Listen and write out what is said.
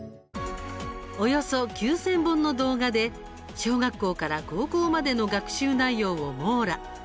およそ９０００本の動画で小学校から高校までの学習内容を網羅。